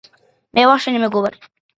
მე ვარ შენი მეგობარი